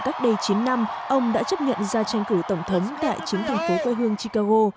cách đây chín năm ông đã chấp nhận ra tranh cử tổng thống tại chính thành phố quê hương chicago